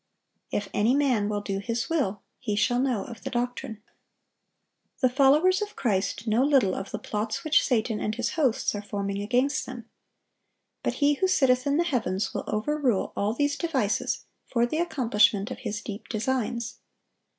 "If any man will do His will, he shall know of the doctrine."(925) The followers of Christ know little of the plots which Satan and his hosts are forming against them. But He who sitteth in the heavens will overrule all these devices for the accomplishment of His deep designs.